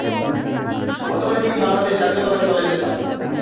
বর্তমানে তিনি বাংলাদেশ জাতীয়তাবাদী দলের নেতা।